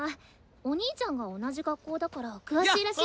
お兄ちゃんが同じ学校だから詳しいらしい。